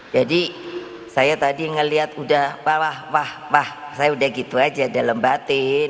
jadi saya tadi ngeliat udah wah wah wah saya udah gitu aja dalam batin